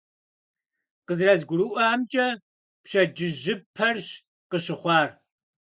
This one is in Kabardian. КъызэрызгурыӀуамкӀэ, пщэдджыжьыпэрщ къыщыхъуар.